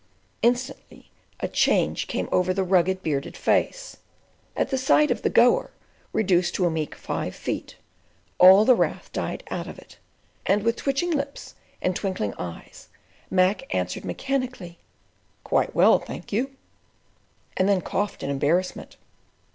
Instantly a change came over the rugged, bearded face. At the sight of the "Goer" reduced to a meek five feet, all the wrath died out of it, and with twitching lips and twinkling eyes Mac answered mechanically, "Quite well thank you," and then coughed in embarrassment.